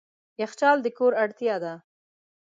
یخچال د کور اړتیا ده.